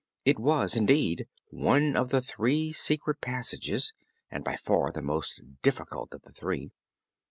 It was, indeed, one of the three secret passages, and by far the most difficult of the three.